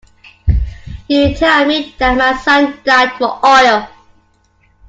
You tell me that my son died for oil.